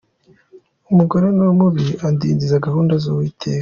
Umugore ni mubi adindiza gahunda z’Uwiteka.